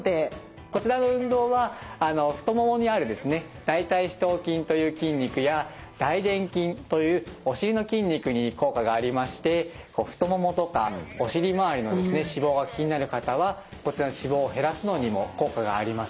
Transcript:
こちらの運動は太ももにある大腿四頭筋という筋肉や大臀筋というお尻の筋肉に効果がありまして太ももとかお尻周りの脂肪が気になる方はこちらの脂肪を減らすのにも効果があります。